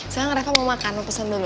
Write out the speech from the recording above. sekarang reva mau makan mau pesen dulu